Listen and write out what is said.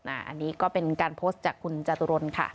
อันนี้ก็เป็นการโพสต์จากคุณจตุรนค่ะ